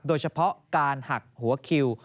โดยเฉพาะการหักหัวคิว